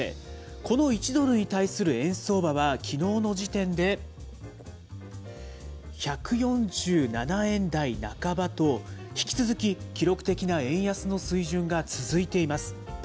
この１ドルに対する円相場はきのうの時点で１４７円台半ばと、引き続き記録的な円安の水準が続いています。